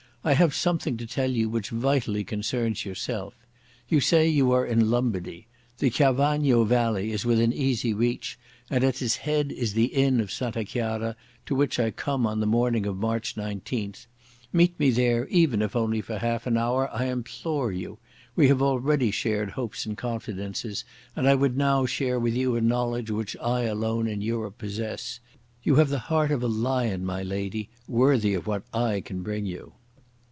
I have something to tell you which vitally concerns yourself. You say you are in Lombardy. The Chiavagno valley is within easy reach, and at its head is the inn of Santa Chiara, to which I come on the morning of March 19th. Meet me there even if only for half an hour, I implore you. We have already shared hopes and confidences, and I would now share with you a knowledge which I alone in Europe possess. You have the heart of a lion, my lady, worthy of what I can bring you."